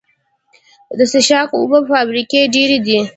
د څښاک اوبو فابریکې ډیرې دي